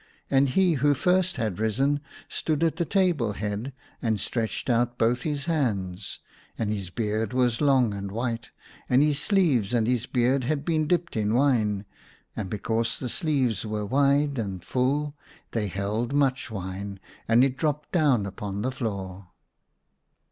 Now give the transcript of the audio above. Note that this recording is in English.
And he who first had risen stood at the table head, and stretched out both his hands, and his beard was long and white, and his sleeves and his beard had been dipped in wine ; and because the sleeves were wide and full they held much wine, and it dropped down upon the floor.